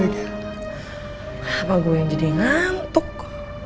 kenapa gue yang jadi ngantuk